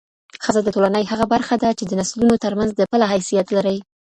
ښځه د ټولنې هغه برخه ده چي د نسلونو ترمنځ د پله حیثیت لري.